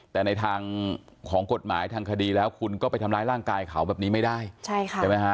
แต่ในทางของกฎหมายทางคดีแล้วคุณก็ไปทำร้ายร่างกายเขาแบบนี้ไม่ได้ใช่ค่ะใช่ไหมฮะ